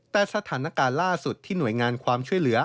แต่สถานการณ์ล่าสุดที่หน่วยงานความช่วยเหลือ